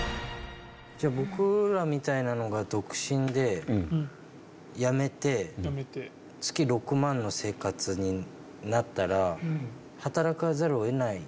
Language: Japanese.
じゃあ僕らみたいなのが独身で辞めて月６万の生活になったら働かざるを得ないですよね？